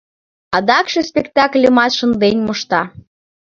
Адакше спектакльымат шынден мошта.